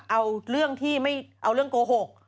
เอาเรื่องที่ไม่เอาเรื่องโกหก